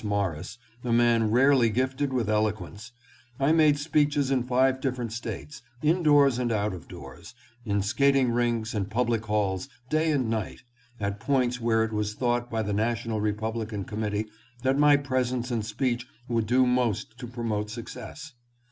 Morris, a man rarely gifted with eloquence, I made speeches in five different States, in doors and out of doors, in skating rinks and public halls, day and night, at points where it was thought by the National Republican Committee that my presence and speech would do most to promote success.